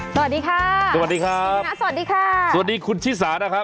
สวัสดีค่ะสวัสดีครับสวัสดีค่ะสวัสดีคุณชิสานะครับ